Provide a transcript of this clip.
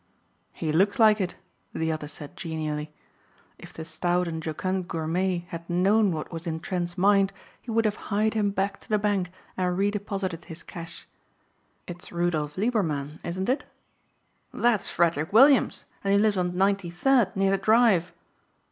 "He looks like it," the other said genially. If the stout and jocund gourmet had known what was in Trent's mind he would have hied him back to the bank and redeposited his cash. "It's Rudolf Liebermann, isn't it?" "That's Frederick Williams, and he lives on Ninety third, near the Drive."